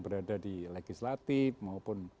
berada di legislatif maupun